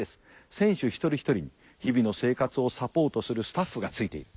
選手一人一人に日々の生活をサポートするスタッフがついている。